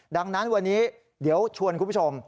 ดังนั้นวันนี้เดี๋ยวชวนคุณผู้ชม